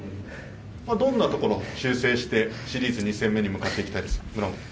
どんなところを修正してシリーズ２戦目に向かっていきたいですか？